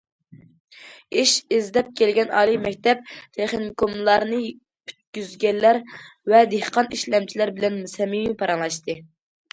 ئىش ئىزدەپ كەلگەن ئالىي مەكتەپ، تېخنىكوملارنى پۈتكۈزگەنلەر ۋە دېھقان ئىشلەمچىلەر بىلەن سەمىمىي پاراڭلاشتى.